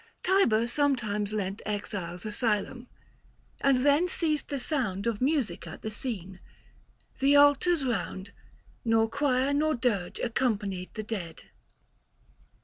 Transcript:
Tibur sometime lent Exiles asylum ; and then ceased the sound 805 Of music at the scene, the altars round, Nor choir nor dirge accompanied the dead.